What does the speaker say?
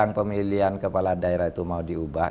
tentang pemilihan kepala daerah itu mau diubah